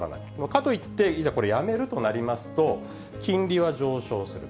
かといっていざこれをやめるとなりますと、金利は上昇する。